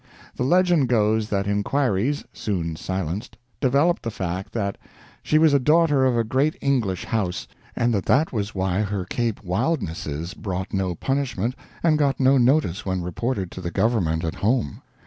The legend goes that enquiries soon silenced developed the fact that she was a daughter of a great English house, and that that was why her Cape wildnesses brought no punishment and got no notice when reported to the government at home.